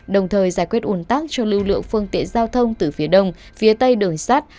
đồng thời giải quyết ủn tắc cho lưu lượng phương tiện giao thông từ phía đông phía tây đường sát